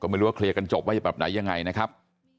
ไม่รู้ว่าเคลียร์กันจบว่าจะแบบไหนยังไงนะครับ